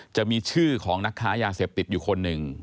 จะมีชื่อของนักค้ายาเสพติดอยู่คนหนึ่ง